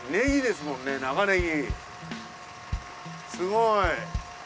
すごい。